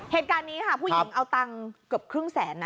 เหตุการณ์นี้ค่ะผู้หญิงเอาตังค์เกือบครึ่งแสนนะ